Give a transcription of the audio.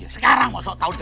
sekarang mau sok tahu di depan